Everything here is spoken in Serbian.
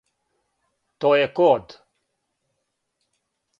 То је код?